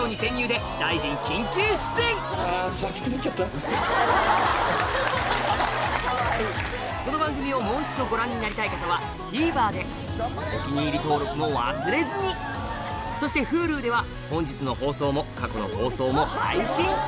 さらにこの番組をもう一度ご覧になりたい方はＴＶｅｒでお気に入り登録も忘れずにそしてＨｕｌｕでは本日の放送も過去の放送も配信中